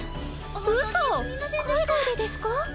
うそ⁉海外でですか？